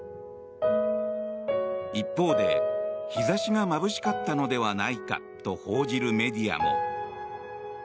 一方で日差しがまぶしかったのではないかと報じるメディアも。